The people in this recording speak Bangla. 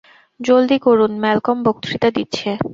জলদি করুন, ম্যালকম বক্তৃতা দিচ্ছে।